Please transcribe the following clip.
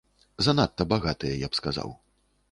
Занадта багатыя, я б сказаў.